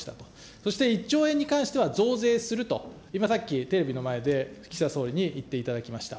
そして、１兆円に関しては増税すると、今さっき、テレビの前で岸田総理に言っていただきました。